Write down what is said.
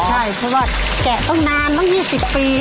ใช่เพราะว่าแกะตั้งนานตั้ง๒๐ปี